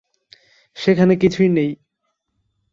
সেখানে কিছুই নেই।